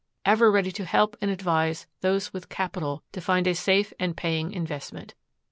Ever ready to help and advise those with capital to find a safe and paying investment.